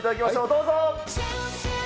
どうぞ。